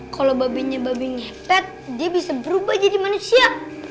kalau babinya babi ngepet dia bisa berubah jadi manusia